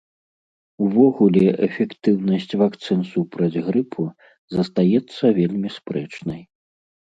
Увогуле, эфектыўнасць вакцын супраць грыпу застаецца вельмі спрэчнай.